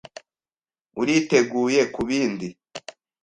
Uriteguye kubindi?